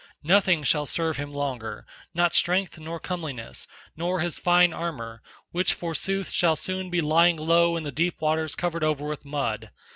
Nothing shall serve him longer, not strength nor comeliness, nor his fine armour, which forsooth shall soon be lying low in the deep waters covered over with mud.